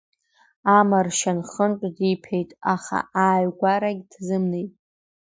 Амаршьан хынтә дыԥеит, аха ааигәарагь дзымнеит.